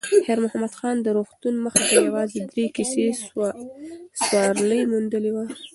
خیر محمد نن د روغتون مخې ته یوازې درې کسه سوارلي موندلې وه.